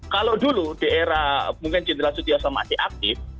kalau dulu di era mungkin jindra kijoso masih aktif